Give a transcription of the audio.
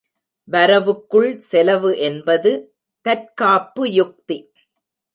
வரவுக்குள் செலவு என்பது தற்காப்பு யுக்தி.